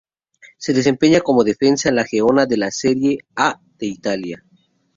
Se desempeña como defensa en la Genoa de la Serie A de Italia.